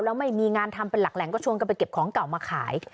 แล้วไม่มีงานทำเป็นหลักแหล่งก็ชวนกันไปเก็บของเก่ามาขาย